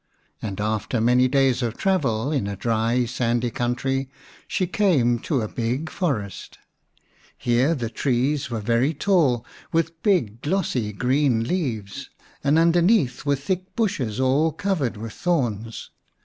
And after many days of travel in a dry sandy country she came to a big forest. Here the trees were very tall, with big glossy green leaves, and underneath were thick bushes all covered with thorns.